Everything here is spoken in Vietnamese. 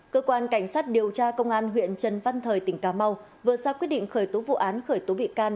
cơ quan cảnh sát điều tra công an huyện trần văn thời tỉnh cà mau vừa ra quyết định khởi tố vụ án khởi tố bị can